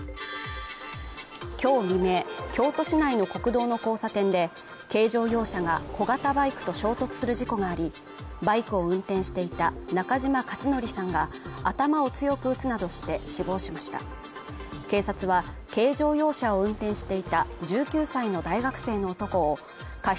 きょう未明京都市内の国道の交差点で軽乗用車が小型バイクと衝突する事故がありバイクを運転していた中嶋克則さんが頭を強く打つなどして死亡しました警察は軽乗用車を運転していた１９歳の大学生の男を過失